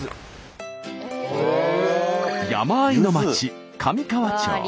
山あいの町神河町。